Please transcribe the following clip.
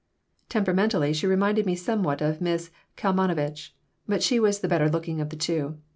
Temperamentally she reminded me somewhat of Miss Kalmanovitch, but she was the better looking of the two.